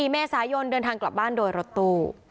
๔เมษายนเดินทางกลับบ้านโดยรถตู้